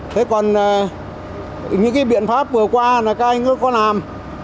thế còn những cái biện pháp vừa qua là các anh mới có làm